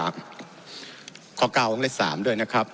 ข้อ๙วงเลข๓ด้วยนะครับ